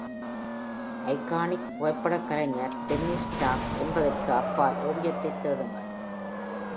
Iconic: புகைப்படக் கலைஞர் Dennis Stock என்பதற்கு அப்பால் ஓவியத்தைத் தேடுங்கள்.